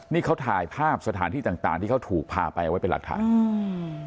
นี่เขาถ่ายภาพสถานที่ต่างต่างที่เขาถูกพาไปเอาไว้เป็นหลักฐานอืม